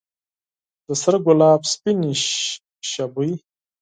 د سره ګلاب سپینې شبۍ